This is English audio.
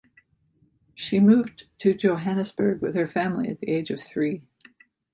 She moved to Johannesburg with her family at the age of three.